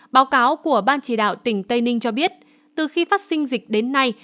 báo cáo của ban chỉ đạo tỉnh tây ninh cho biết từ khi phát sinh dịch đến nay